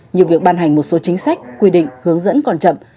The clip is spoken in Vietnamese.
như việc ban hành một số chính sách quy định hướng dẫn còn chậm